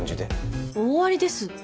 大ありです。